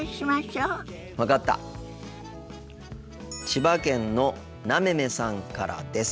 千葉県のなめめさんからです。